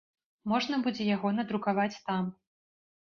Можна будзе яго надрукаваць там.